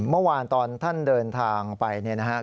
เมื่อวานตอนท่านเดินทางไป